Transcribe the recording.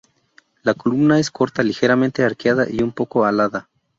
La columna es corta, ligeramente arqueada y un poco alada.